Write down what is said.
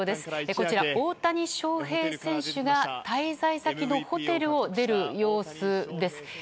こちら、大谷翔平選手が滞在先のホテルを出る様子です。